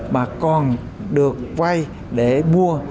mà còn được vây để mua